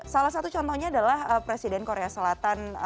salah satu contohnya adalah presiden korea selatan